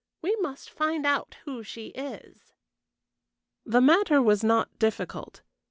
We must find out who she is." The matter was not difficult.